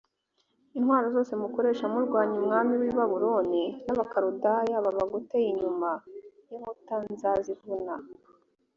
intwaro zose mukoresha murwanya umwami w i babuloni n abakaludaya babagoteye inyuma y inkuta nzazivuna